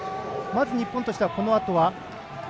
日本としては、このあとは？